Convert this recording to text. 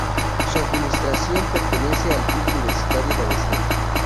Su administración pertenece al Club Universitario de Aviación.